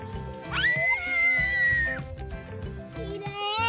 えきれい？